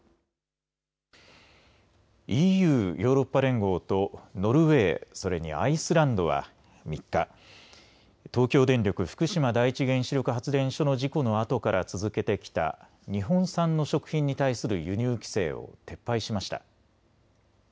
ＥＵ・ヨーロッパ連合とノルウェー、それにアイスランドは３日、東京電力福島第一原子力発電所の事故のあとから続けてきた日本産の食品に対する輸入規制を撤廃しました。